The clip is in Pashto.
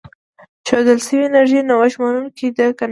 ښودل شوې انرژي نوښت منونکې ده که نه.